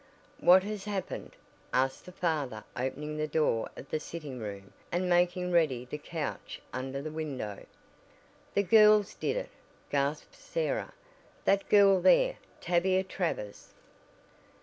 "What has happened?" asked the father opening the door of the sitting room and making ready the couch under the window. "The girls did it," gasped Sarah, "that girl there, Tavia Travers!"